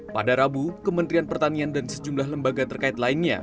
pada rabu kementerian pertanian dan sejumlah lembaga terkait lainnya